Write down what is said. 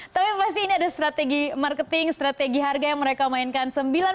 tapi pasti ini ada strategi marketing strategi harga yang mereka mainkan